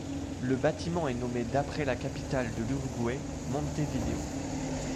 Le bâtiment est nommé d'après la capitale de l'Uruguay, Montevideo.